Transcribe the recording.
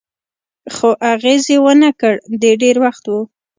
خو اغېز یې و نه کړ، د ډېر وخت و.